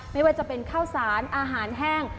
ไม่ว่าจะเป็นข้าวสารอาหารแห้ง